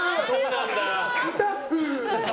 スタッフ！